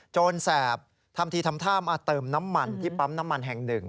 แสบทำทีทำท่ามาเติมน้ำมันที่ปั๊มน้ำมันแห่งหนึ่ง